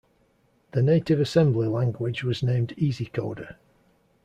The native assembly language was named Easycoder.